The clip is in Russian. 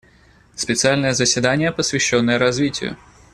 Специальное заседание, посвященное развитию.